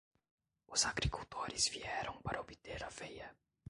Os agricultores vieram para obter aveia.